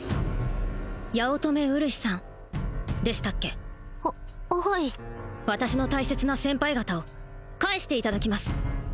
八乙女うるしさんでしたっけははい私の大切な先輩方を返していただきます